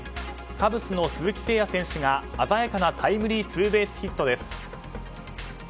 カブスの鈴木誠也選手が鮮やかなタイムリーツーベースヒットです。